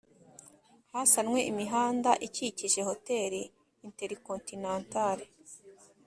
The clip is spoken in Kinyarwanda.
Hasanwe imihanda ikikije Hotel Intercontinental